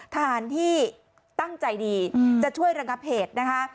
ทหารที่ตั้งใจดีจะช่วยระงับเหตุนะคะ